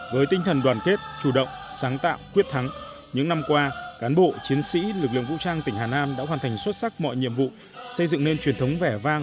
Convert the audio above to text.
với tinh thần đoàn kết chủ động sáng tạo quyết thắng những năm qua cán bộ chiến sĩ lực lượng vũ trang tỉnh hà nam đã hoàn thành xuất sắc mọi nhiệm vụ xây dựng nên truyền thống vẻ vang